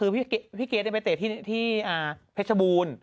พี่เก๊ทไปเตะที่เพชบูล